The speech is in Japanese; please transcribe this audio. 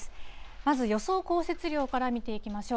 まず予想降雪量から見ていきましょう。